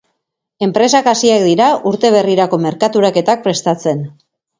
Enpresak hasiak dira urte berrirako merkaturaketak prestatzen.